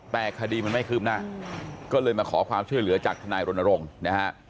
แต่คดีมันไม่คืบหน้าก็เลยมาขอความช่วยเหลือจากทนายรณรงค์นะฮะ